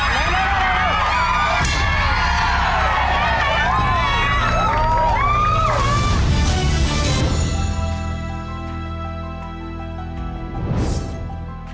เร็ว